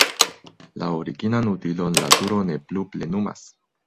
La originan utilon la turo ne plu plenumas.